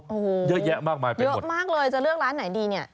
โอ้โหเยอะแยะมากมายไปเยอะมากเลยจะเลือกร้านไหนดีเนี่ย